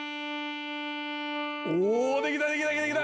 できたできたできた！